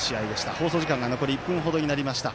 放送時間が残り１分ほどになりました。